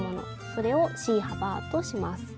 それをＣ幅とします。